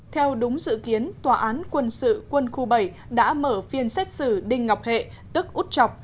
theo đúng dự kiến tòa án quân sự quân khu bảy đã mở phiên xét xử đinh ngọc hệ tức út chọc